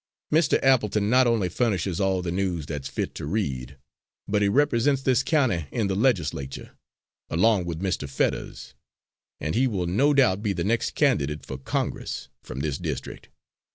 Mr. Appleton not only furnishes all the news that's fit to read, but he represents this county in the Legislature, along with Mr. Fetters, and he will no doubt be the next candidate for Congress from this district.